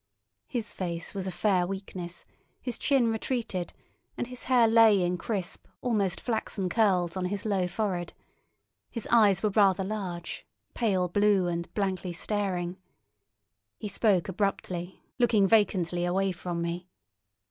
His face was a fair weakness, his chin retreated, and his hair lay in crisp, almost flaxen curls on his low forehead; his eyes were rather large, pale blue, and blankly staring. He spoke abruptly, looking vacantly away from me.